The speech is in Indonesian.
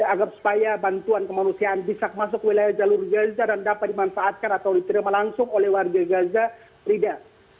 agar supaya bantuan kemanusiaan bisa masuk ke wilayah jalur gaza dan dapat dimanfaatkan atau diterima langsung oleh warga gaza frida